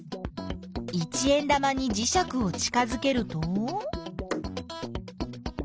一円玉にじしゃくを近づけると？